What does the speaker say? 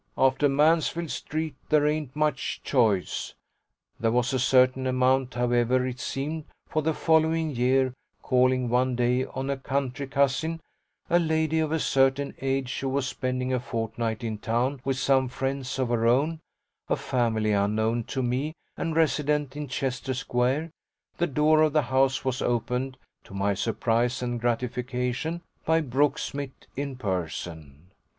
After Mansfield Street there ain't much choice." There was a certain amount, however, it seemed; for the following year, calling one day on a country cousin, a lady of a certain age who was spending a fortnight in town with some friends of her own, a family unknown to me and resident in Chester Square, the door of the house was opened, to my surprise and gratification, by Brooksmith in person.